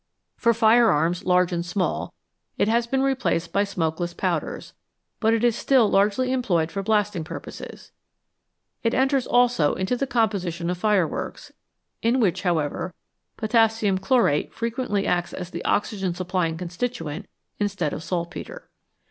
For firearms, large and small, it has l)een replaced by smokeless powders, but it is still largely employed for blasting purposes. It enters also into the composition of fireworks, in which, however, potassium chlorate frequently acts as the oxygen supplying constituent instead of saltpetre.